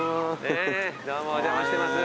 どうもお邪魔してます。